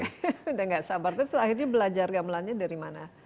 sudah tidak sabar terus akhirnya belajar gamelannya dari mana